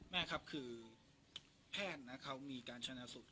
แม่ครับคือแพทย์เขามีการชนะศพ